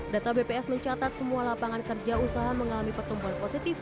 data bps mencatat semua lapangan kerja usaha mengalami pertumbuhan positif